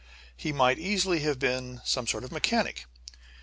He might easily have been some sort of a mechanic.